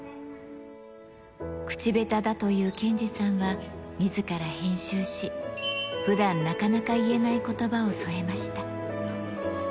口下手だという健司さんは、みずから編集し、ふだん、なかなか言えないことばを添えました。